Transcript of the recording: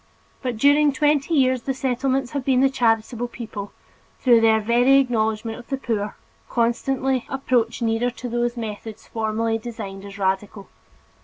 But during twenty years, the Settlements have seen the charitable people, through their very knowledge of the poor, constantly approach nearer to those methods formerly designated as radical.